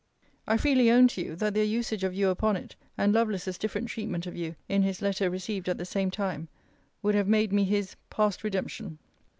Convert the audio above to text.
I freely own to you, that their usage of you upon it, and Lovelace's different treatment of you* in his letter received at the same time, would have made me his, past redemption.